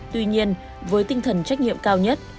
tuy nhiên với tinh thần trách nhiệm cao nhất